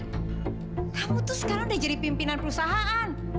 kamu tuh sekarang udah jadi pimpinan perusahaan